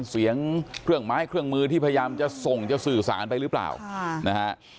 เสียงเครื่องไม้เครื่องมือที่พยายามจะส่งจะสื่อสารไปหรือเปล่านะฮะ